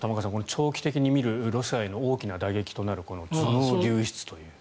長期的に見るロシアへの大きな打撃となる頭脳流出という。